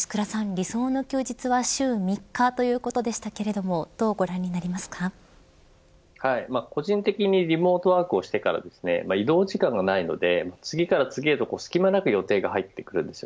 理想の休日は週３日ということでしたけれど個人的にリモートワークをしてから移動時間がないので次から次へと隙間なく予定が入ってくるんです。